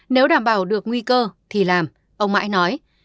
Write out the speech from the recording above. nếu đảm bảo được nguy cơ thì làm ông mãi nói